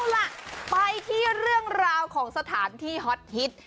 เอาล่ะไปที่เรื่องราวของสถานที่ฮอตฮิต